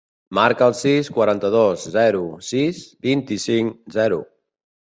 Marca el sis, quaranta-dos, zero, sis, vint-i-cinc, zero.